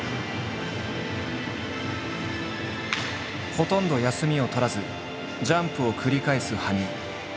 ほとんど休みをとらずジャンプを繰り返す羽生。